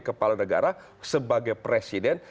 kepala negara sebagai presiden